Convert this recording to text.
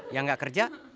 yang gak kerja